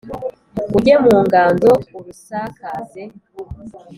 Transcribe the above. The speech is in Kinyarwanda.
ujye mu nganzo urusakaze